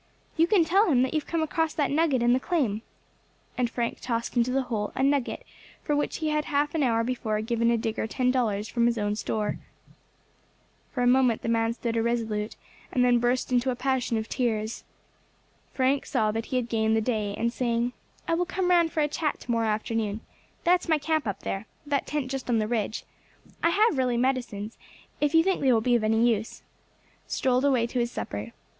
"You can tell him that you have come across that nugget in the claim," and Frank tossed into the hole a nugget for which he had half an hour before given a digger ten dollars from his own store. For a moment the man stood irresolute, and then burst into a passion of tears. Frank saw that he had gained the day, and saying, "I will come round for a chat to morrow afternoon. That's my camp up there that tent just on the ridge. I have really medicines, if you think they will be of any use," strolled away to his supper.